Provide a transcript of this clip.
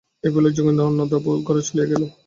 এই বলিয়া যোগেন্দ্র অন্নদাবাবুর ঘরে চলিয়া গেল।